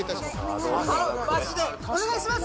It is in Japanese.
頼むマジでお願いします